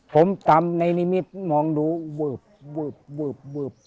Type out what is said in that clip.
ผมตามในนิมิตรมองดูเวิบเวิบเวิบเวิบ